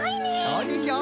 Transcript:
そうでしょう！